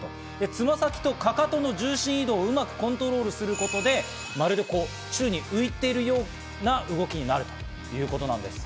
つま先とかかとの重心移動をうまくコントロールすることでまるで宙に浮いているかのような動きになるということなんです。